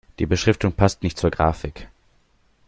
Die Beschriftung passt nicht zur Grafik.